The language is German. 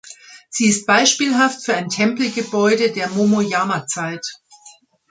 Sie ist beispielhaft für ein Tempelgebäude der Momoyama-Zeit.